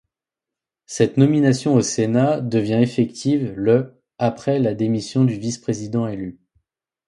Cette nomination au Sénat devient effective le après la démission du vice-président élu.